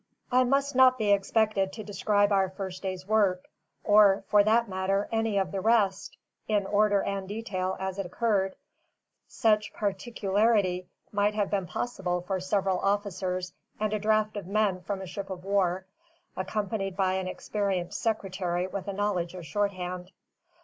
I must not be expected to describe our first day's work, or (for that matter) any of the rest, in order and detail as it occurred. Such particularity might have been possible for several officers and a draft of men from a ship of war, accompanied by an experienced secretary with a knowledge of shorthand.